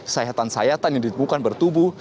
sayatan sayatan yang ditemukan bertubuh